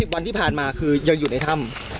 วันที่ผ่านมาคือยังอยู่ในถ้ำ